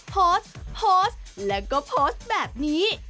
โพสต์โพสต์แล้วก็โพสต์แบบนี้